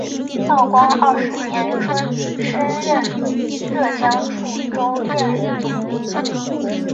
道光二十年春升任浙江处州镇总兵。